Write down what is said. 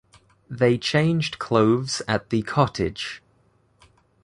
They changed clothes at the cottage.